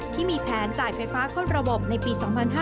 ที่มีแผนจ่ายไฟฟ้าเข้าระบบในปี๒๕๕๙